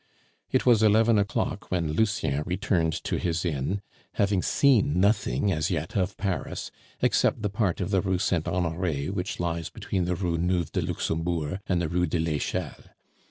It was eleven o'clock when Lucien returned to his inn, having seen nothing as yet of Paris except the part of the Rue Saint Honore which lies between the Rue Neuve de Luxembourg and the Rue de l'Echelle.